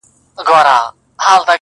هم پلرونه هم مو وړونه هم خپلوان دي,